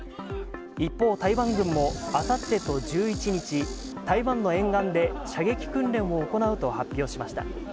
一方、台湾軍も、あさってと１１日、台湾の沿岸で射撃訓練を行うと発表しました。